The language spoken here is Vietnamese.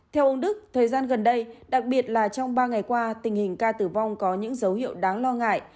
theo ông đức thời gian gần đây đặc biệt là trong ba ngày qua tình hình ca tử vong có những dấu hiệu đáng lo ngại